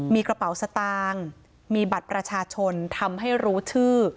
มีกระเป๋าสตางค์มีบัตรประชาชนทำให้รู้ชื่อ